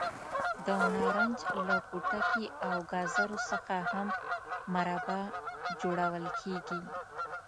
د نارنج له پوټکي او ګازرو څخه هم مربا جوړول کېږي.